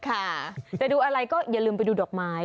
ค่ะจะดูอะไรก็อย่าลืมไปดูดอกไม้